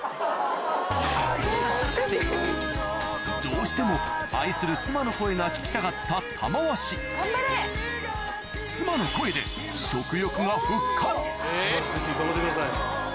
どうしても愛する妻の声が聞きたかった玉鷲妻の声で玉鷲関頑張ってください。